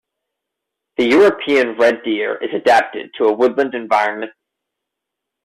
The European red deer is adapted to a woodland environment.